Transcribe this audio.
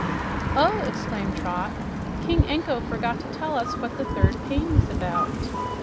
"Oh!" exclaimed Trot. "King Anko forgot to tell us what his third pain was about."